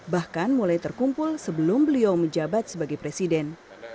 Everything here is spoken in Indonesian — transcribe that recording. bahkan mulai terkumpul sebelum beliau menjabat sebagai presiden